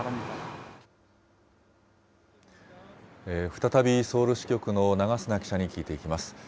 再び、ソウル支局の長砂記者に聞いていきます。